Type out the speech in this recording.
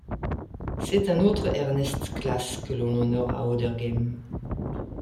C'est un autre Ernest Claes que l'on honore à Auderghem.